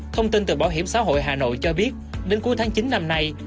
thông tin từ bảo hiểm xã hội hà nội cho biết đến cuối tháng chín năm nay